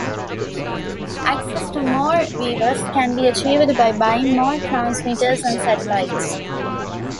Access to more viewers can be achieved by buying more transmitters and satellites.